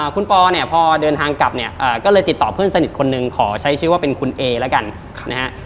คุณปอเนี่ยพอเดินทางกลับเนี่ยก็เลยติดต่อเพื่อนสนิทคนหนึ่งขอใช้ชื่อว่าเป็นคุณเอแล้วกันนะฮะ